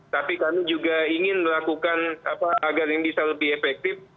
tapi kami juga ingin melakukan agar yang bisa lebih efektif